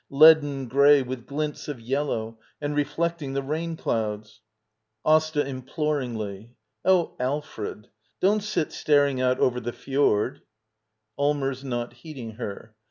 Leaden grey — with glints of yellow — and reflecting the rain clouds! Asta. [Imploringly.] Oh, Alfred, dwi't sit staring out over the fjord I Allmers. [Not heeding her.